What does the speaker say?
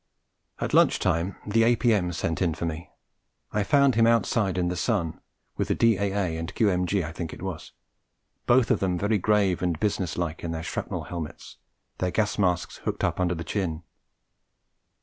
At lunch time the A.P.M. sent in for me. I found him outside in the sun, with the D.A.A. and Q.M.G., I think it was both of them very grave and business like in their shrapnel helmets, their gas masks hooked up under their chins.